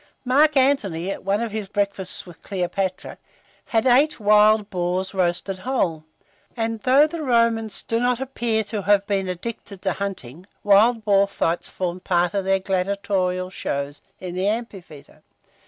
Marc Antony, at one of his breakfasts with Cleopatra, had eight wild boars roasted whole; and though the Romans do not appear to have been addicted to hunting, wild boar fights formed part of their gladiatorial shows in the amphitheatre.